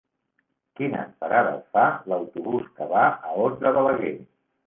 Quines parades fa l'autobús que va a Os de Balaguer?